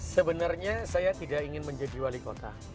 sebenarnya saya tidak ingin menjadi wali kota